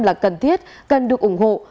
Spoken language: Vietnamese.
là cần thiết cần được ủng hộ